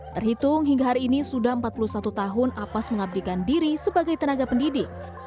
terhitung hingga hari ini sudah empat puluh satu tahun apas mengabdikan diri sebagai tenaga pendidik